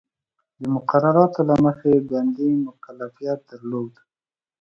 د مقرراتو له مخې بندي مکلفیت درلود.